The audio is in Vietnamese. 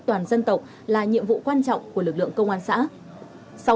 toàn dân tộc là nhiệm vụ quan trọng của lực lượng công an xã sau